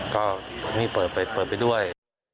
ก็นี่เปิดไปด้วย